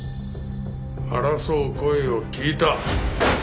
争う声を聞いた。